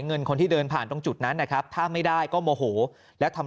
เงินคนที่เดินผ่านตรงจุดนั้นนะครับถ้าไม่ได้ก็โมโหแล้วทำ